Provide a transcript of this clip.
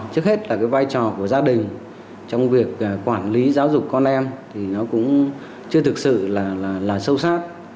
trước hết là cái vai trò của gia đình trong việc quản lý giáo dục con em thì nó cũng chưa thực sự là sâu sát